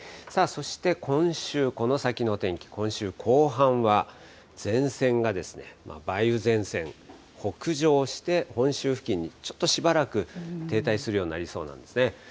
そして今週、この先の天気、今週後半は前線が、梅雨前線、北上して、本州付近にちょっとしばらく停滞するようになりそうなんですね。